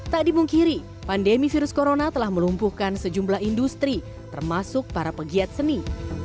tak dipungkiri pandemi virus corona telah melumpuhkan sejumlah industri termasuk para pegiat seni